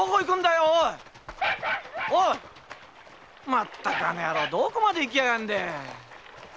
まったくあの野郎どこまで行きやがるんだ。